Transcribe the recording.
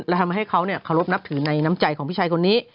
และทำให้เขาเนี่ยขอรบนับถือในน้ำใจของพี่ชายคนนี้